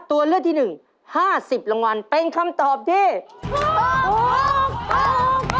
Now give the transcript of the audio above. ตัวเลือกที่๑๕๐รางวัลเป็นคำตอบที่ถูก